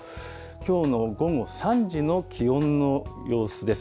きょうの午後３時の気温の様子です。